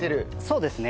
そうですね。